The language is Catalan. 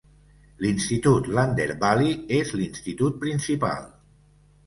L'institut Lander Valley és l'institut principal.